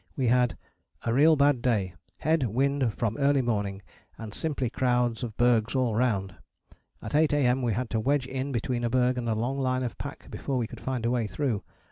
we had "a real bad day: head wind from early morning, and simply crowds of bergs all round. At 8 A.M. we had to wedge in between a berg and a long line of pack before we could find a way through.